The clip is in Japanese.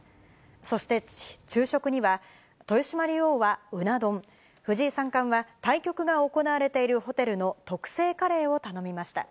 そして昼食には、豊島竜王はうな丼、藤井三冠は対局が行われているホテルの特製カレーを頼みました。